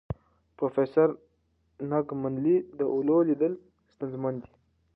پروفیسور نګ منلې، د اولو لیدل ستونزمن دي.